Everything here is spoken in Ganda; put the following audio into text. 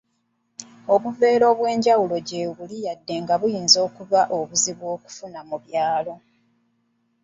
Obuveera obw’enjawulo gye buli wadde nga buyinza okuba obuzibu okufuna mu byalo.